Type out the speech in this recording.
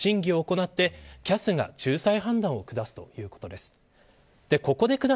選ばれた３人が審問、審議を行ってＣＡＳが仲裁判断を下すということです。